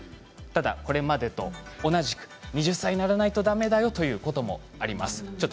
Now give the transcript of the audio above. ただ、これまでと同じく２０歳にならないとだめだよということもあります。